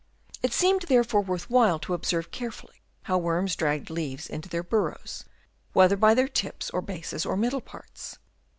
It seemed therefore worth while to observe carefully how worms dragged leaves into their burrows ; whether by their tips or bases or middle parts.